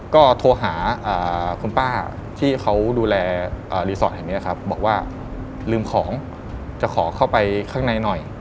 ก็โทรหาคุณป้าที่เขาดูแลรีสอร์ทแห่งนี้ครับบอกว่าลืมของจะขอเข้าไปข้างในหน่อย